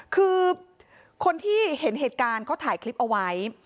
คือคนที่เห็นเหตุการณ์เขาถ่ายคลิปเอาไว้